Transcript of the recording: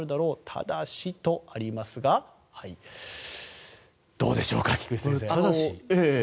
ただしとありますがどうでしょうか、菊地先生。